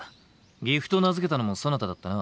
岐阜と名付けたのもそなただったな。